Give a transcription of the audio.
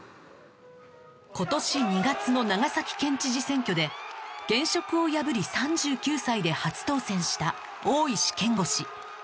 今年２月の長崎県知事選挙で現職を破り３９歳で初当選した大石賢吾氏